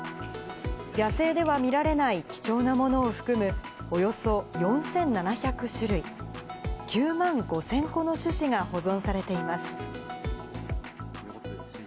野生では見られない貴重なものを含む、およそ４７００種類、９万５０００個の種子が保存されています。